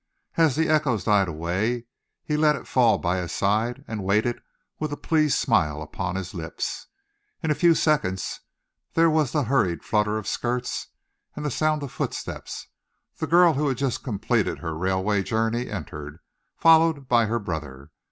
As the echoes died away, he let it fall by his side and waited with a pleased smile upon his lips. In a few seconds there was the hurried flutter of skirts and the sound of footsteps. The girl who had just completed her railway journey entered, followed by her brother.